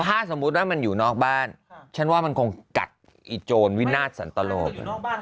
ถ้าสมมุติว่ามันอยู่นอกบ้านฉันว่ามันคงกัดไอ้โจรวินาทสันตโลก